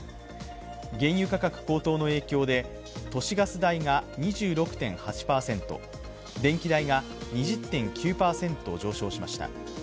原油価格高騰の影響で都市ガス代が２６．８％、電気代が２０．９％上昇しました。